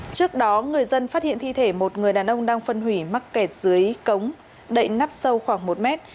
trước đó người dân phát hiện thi thể một người đàn ông đang phân hủy mắc kẹt dưới cống đậy nắp sâu khoảng một mét